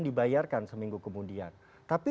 dibayarkan seminggu kemudian tapi